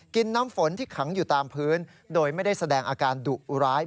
น้ำฝนที่ขังอยู่ตามพื้นโดยไม่ได้แสดงอาการดุร้าย